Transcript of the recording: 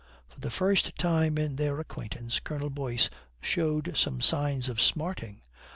For the first time in their acquaintance Colonel Boyce showed some signs of smarting.